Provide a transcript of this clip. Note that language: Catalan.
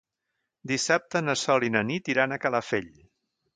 Dissabte na Sol i na Nit iran a Calafell.